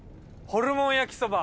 ホルモン焼きそば。